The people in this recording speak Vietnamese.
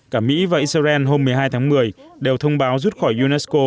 cả mỹ và israel hôm một mươi hai tháng một mươi đều thông báo rút khỏi unesco